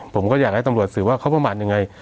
ผมก็อยากให้ตำรวจสืบว่าเขาประมาณยังไง